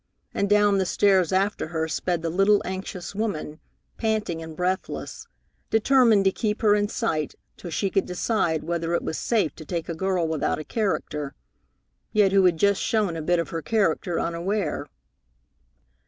And down the stairs after her sped the little, anxious woman, panting and breathless, determined to keep her in sight till she could decide whether it was safe to take a girl without a character yet who had just shown a bit of her character unaware.